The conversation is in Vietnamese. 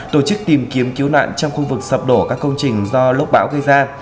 tổ chức tìm kiếm cứu nạn trong khu vực sập đổ các công trình do lốc bão gây ra